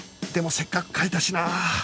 でもせっかく書いたしな